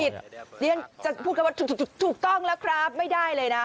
ผิดพูดคำว่าถูกต้องแล้วครับไม่ได้เลยนะ